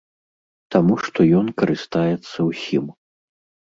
Таму што ён карыстаецца ўсім.